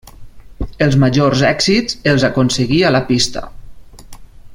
Els majors èxits els aconseguí a la pista.